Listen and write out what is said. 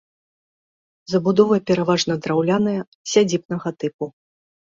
Забудова пераважна драўляная, сядзібнага тыпу.